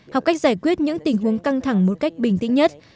học cách giải quyết những tình huống căng thẳng một cách bình tĩnh nhất